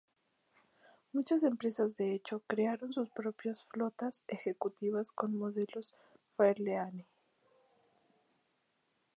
Muchas empresas de hecho, crearon sus propias flotas ejecutivas con modelos Fairlane.